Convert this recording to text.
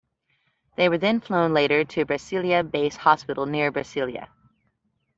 They were then flown later to Brasilia Base Hospital near Brasilia.